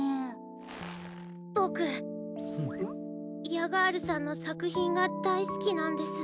ヤガールさんのさくひんがだいすきなんです。